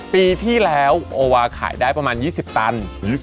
ปีที่แล้วโอวาขายได้ประมาณ๒๐ตัน